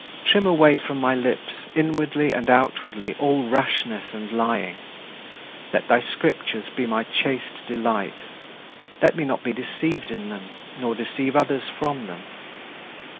Trim away from my lips, inwardly and outwardly, all rashness and lying. Let thy Scriptures be my chaste delight. Let me not be deceived in them, nor deceive others from them.